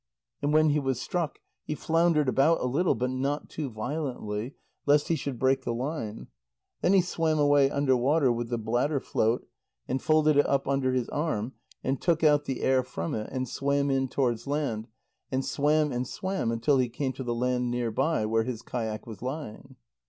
And when he was struck, he floundered about a little, but not too violently, lest he should break the line. Then he swam away under water with the bladder float, and folded it up under his arm, and took out the air from it, and swam in towards land, and swam and swam until he came to the land near by where his kayak was lying.